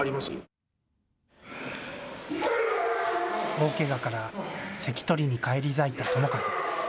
大けがから関取に返り咲いた友風。